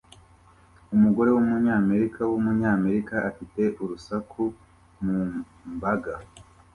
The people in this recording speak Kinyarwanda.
Umugore wumunyamerika wumunyamerika afite urusaku mu mbaga